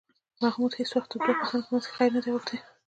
محمود هېڅ وخت د دوو کسانو په منځ کې خیر نه دی غوښتی